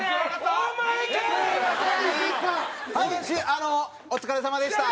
あのお疲れさまでした。